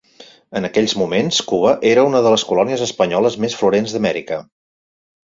En aquells moments Cuba era una de les colònies espanyoles més florents d'Amèrica.